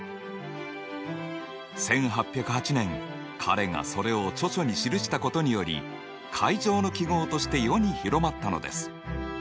１８０８年彼がそれを著書に記したことにより階乗の記号として世に広まったのです。